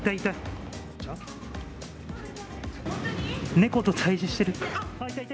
猫と対じしてる。